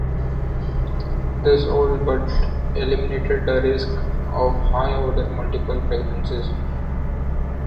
This all but eliminated the risk of high order multiple pregnancies.